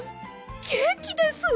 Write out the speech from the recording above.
ケーキです！